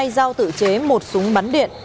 hai dao tự chế một súng bắn điện